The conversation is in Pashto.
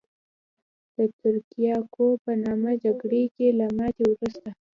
د تریاکو په نامه جګړه کې له ماتې وروسته.